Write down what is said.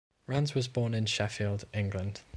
Rands was born in Sheffield, England.